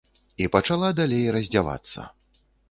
І пачала далей раздзявацца.